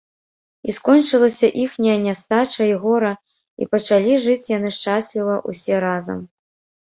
І скончылася іхняя нястача і гора, і пачалі жыць яны шчасліва ўсе разам